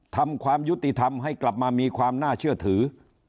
ความยุติธรรมให้กลับมามีความน่าเชื่อถือ